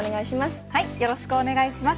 よろしくお願いします。